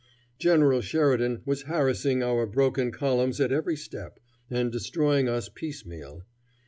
General Sheridan was harassing our broken columns at every step, and destroying us piecemeal.